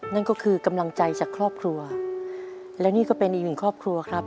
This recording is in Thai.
นั่นก็คือกำลังใจจากครอบครัวและนี่ก็เป็นอีกหนึ่งครอบครัวครับ